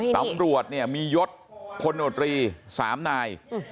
ตำรวจมียศคนโดรตรี๓นาย